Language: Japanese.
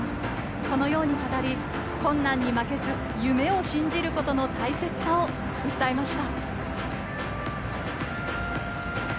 このように語り困難に負けず、夢を信じることの大切さを訴えました。